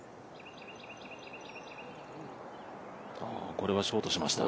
これはショートしました。